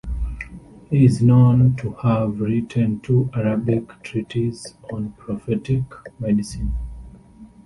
He is known to have written two Arabic treatises on Prophetic medicine.